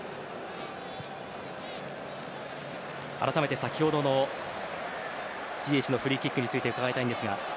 改めて先ほどのジエシュのフリーキックについて伺いたいんですが。